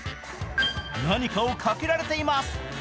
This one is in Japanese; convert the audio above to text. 何かをかけられています。